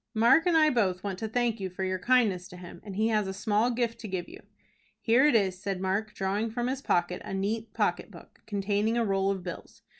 "Mark and I both want to thank you for your kindness to him, and he has a small gift to give you." "Here it is," said Mark, drawing from his pocket a neat pocket book, containing a roll of bills.